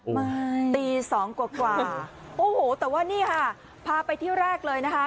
มาตีสองกว่าโอ้โหแต่ว่านี่ค่ะพาไปที่แรกเลยนะคะ